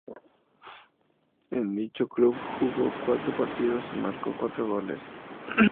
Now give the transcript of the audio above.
En dicho club jugó cuatro partidos y marcó cuatro goles.